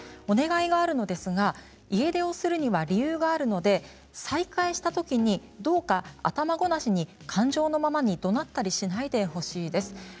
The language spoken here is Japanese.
お願いがあるのですが家出をするには理由があるので再会したときに、どうか頭ごなしに感情のままにどなったりしないでほしいです。